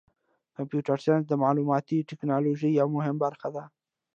کمپیوټر ساینس د معلوماتي تکنالوژۍ یوه مهمه برخه ده.